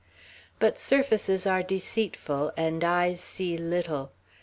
But surfaces are deceitful, and eyes see little.